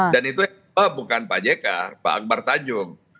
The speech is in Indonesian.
dan itu bukan pak jk pak akbar tanjung